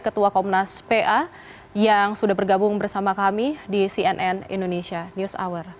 ketua komnas pa yang sudah bergabung bersama kami di cnn indonesia news hour